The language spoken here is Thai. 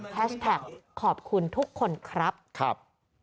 แฮชแท็กขอบคุณทุกคนครับ